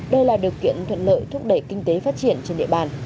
đây là điều kiện thuận lợi thúc đẩy kinh tế phát triển trên địa bàn